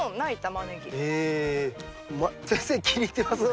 先生気に入ってますね。